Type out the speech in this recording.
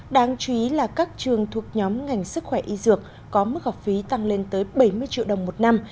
đáng chú ý là các trường thuộc nhóm ngành sức khỏe y dược có mức học phí tăng lên tới bảy mươi triệu đồng một năm